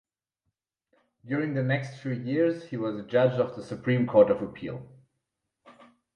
During the-next few years he was judge of the supreme court of appeal.